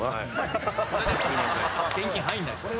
現金入んないっすから。